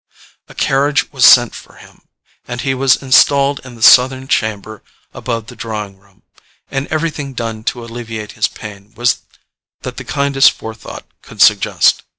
A carriage was sent for him, and he was installed in the southern chamber above the drawing room, and everything done to alleviate his pain that the kindest forethought could suggest.